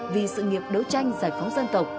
vì sự nghiệp đấu tranh giải phóng dân tộc